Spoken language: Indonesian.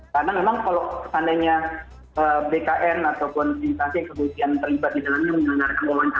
karena memang kalau seandainya bkn ataupun instansi keguisian terlibat di dalamnya menjelangkan kegolongan cara